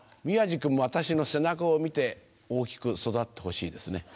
宮治君も私の背中を見て大きく育ってほしいですね。